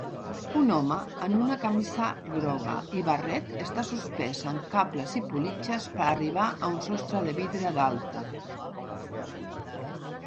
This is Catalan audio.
Un home en una camisa groga i barret està suspès en cables i politges per arribar a un sostre de vidre d'alta